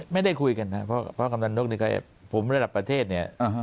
ไม่ได้คุยกันครับเพราะกำหนดนกผมระดับประเทศเนี่ย